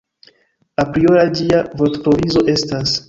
Apriora ĝia vortprovizo estas.